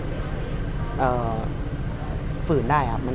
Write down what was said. เขาก็มี